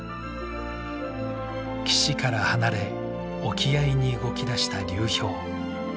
岸から離れ沖合に動き出した流氷。